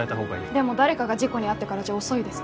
でも誰かが事故に遭ってからじゃ遅いです。